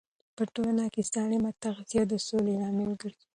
په ټولنه کې سالمه تغذیه د سولې لامل ګرځي.